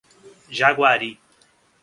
Jaguari